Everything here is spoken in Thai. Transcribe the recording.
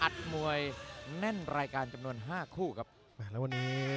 สวัสดีครับทุกคน